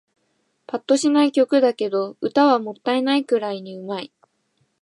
ぱっとしない曲だけど、歌はもったいないくらいに上手い